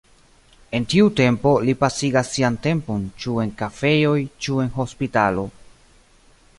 En tiu tempo li pasigas sian tempon ĉu en kafejoj ĉu en hospitalo.